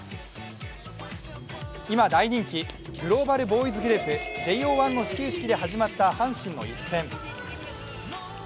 今大人気、グローバルボーイズグループＪＯ１の始球式で始まった阪神の一戦。